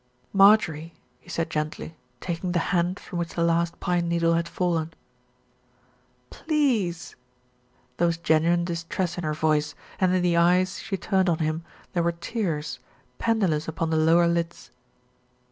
"Marjorie," he said gently, taking the hand from which the last pine needle had fallen. "Pleeeeeeeeeeease !" There was genuine distress in her voice, and in the eyes she turned on him there were tears, pendulous upon the lower lids.